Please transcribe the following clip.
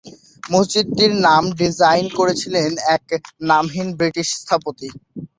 মসজিদটির নাম ডিজাইন করেছিলেন এক নামহীন ব্রিটিশ স্থপতি।